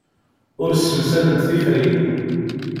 Ur ssemsadent tiferyin.